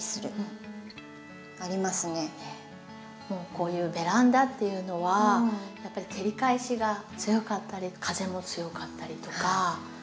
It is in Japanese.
こういうベランダっていうのはやっぱり照り返しが強かったり風も強かったりとか。